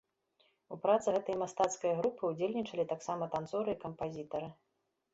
У працы гэтай мастацкай групы ўдзельнічалі таксама танцоры і кампазітары.